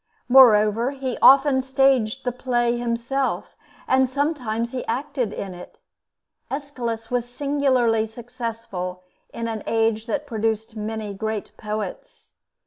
Moreover, he often "staged" the play himself, and sometimes he acted in it. Aeschylus was singularly successful in an age that produced many great poets.